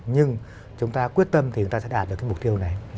nhưng chúng ta quyết tâm thì chúng ta sẽ đạt được cái mục tiêu này